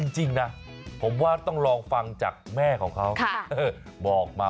น้องเขาก็เลยชอบแล้วก็เลยบอกว่า